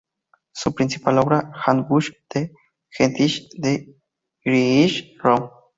Su principal obra, "Handbuch der Geschichte der griechisch-röm.